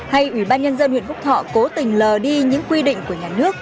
hay ubnd huyện phúc thọ cố tình lờ đi những quy định của nhà nước